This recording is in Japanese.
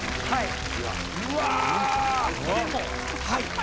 はい。